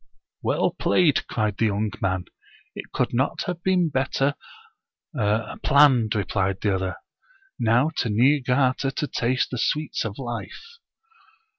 "Well played!" cried the young man. " It could not have been better planned," re plied the other. " Now to Niigata to taste the sweets of life."